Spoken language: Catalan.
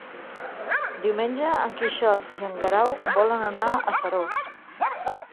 Diumenge en Quixot i en Guerau volen anar a Seròs.